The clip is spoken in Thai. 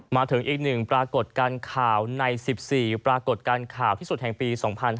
มาถึงอีกหนึ่งปรากฏการณ์ข่าวใน๑๔ปรากฏการณ์ข่าวที่สุดแห่งปี๒๕๕๙